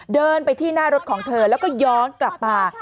เดินไปที่หน้ารถของเธอแล้วก็ย้อนกลับมา